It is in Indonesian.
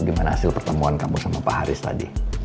gimana hasil pertemuan kamu sama pak haris tadi